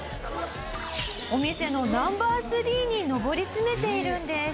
お店のＮｏ．３に上り詰めているんです。